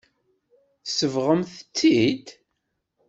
Tsebɣem-tt-id.